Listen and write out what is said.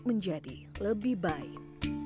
menjadi lebih baik